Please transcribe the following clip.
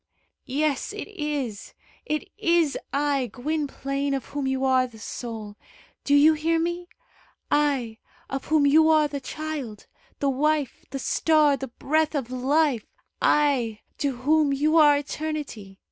"Yes, it is! It is I, Gwynplaine, of whom you are the soul. Do you hear me? I, of whom you are the child, the wife, the star, the breath of life; I, to whom you are eternity.